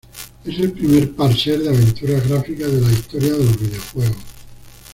Es el primer parser de aventuras gráficas de la historia de los videojuegos.